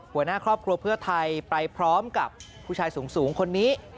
หัวหน้าครอบครัวเพื่อไทยไปพร้อมกับผู้ชายสูงคนนี้